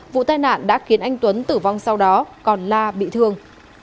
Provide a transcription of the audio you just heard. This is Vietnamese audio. vụ tai nạn đã khiến anh tuấn tử vong sau đó còn la bị thương